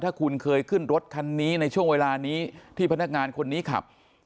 ถ้าคุณเคยขึ้นรถคันนี้ในช่วงเวลานี้ที่พนักงานคนนี้ขับ